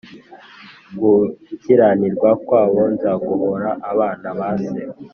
Gukiranirwa kwabo nzaguhora abana base